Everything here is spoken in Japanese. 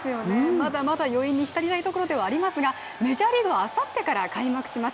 まだまだ余韻にひたりたいところではありますが、メジャーリーグはあさってから開幕します。